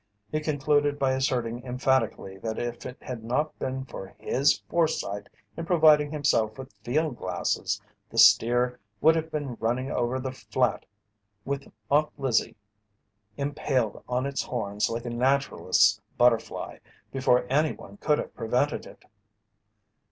He concluded by asserting emphatically that if it had not been for his foresight in providing himself with field glasses, the steer would have been running over the flat with Aunt Lizzie empaled on its horns like a naturalist's butterfly, before any one could have prevented it.